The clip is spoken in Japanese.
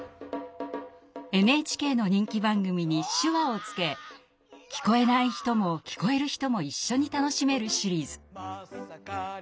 ＮＨＫの人気番組に手話をつけ聞こえない人も聞こえる人も一緒に楽しめるシリーズ。